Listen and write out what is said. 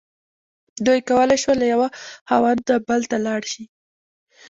دوی کولی شول له یوه خاوند نه بل ته لاړ شي.